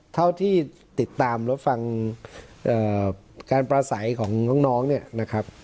เท่าที่ติดตามรับฟังการประสัยของน้องเนี่ยนะครับ